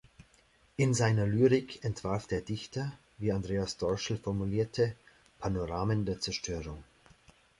In seiner Lyrik entwarf der Dichter, wie Andreas Dorschel formulierte, "Panoramen der Zerstörung.